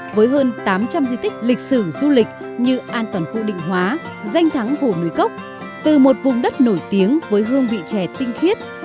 với hơn tám trăm linh di tích lịch sử du lịch như an toàn phụ định hóa danh thắng hồ núi cốc từ một vùng đất nổi tiếng với hương vị trẻ tinh khiết